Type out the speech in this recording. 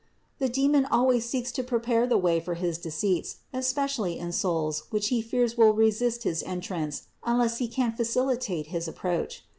The demon always seeks to prepare the way for his deceits, especially in souls which he fears will resist his entrance unless he can thus facilitate his approach.